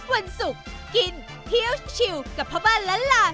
วันศุกร์กินเที่ยวชิวกับพ่อบ้านล้านลา